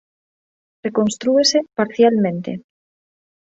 Reconstrúese parcialmente.